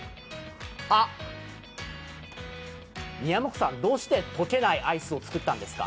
あ、宮向さん、どうして溶けないアイスを作ったんですか？